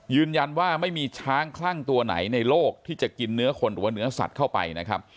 ยืนยันว่าไม่มีช้างคลั่งตัวไหนในโลกที่จะกินเนื้อคนหรือว่าเนื้อสัตว์เข้าไปนะครับ